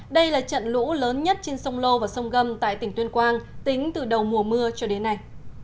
đây là trận lũ lớn nhất trên sông lô và sông gâm tại tỉnh tuyên quang tính từ đầu mùa mưa cho đến nay